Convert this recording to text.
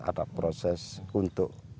ada proses untuk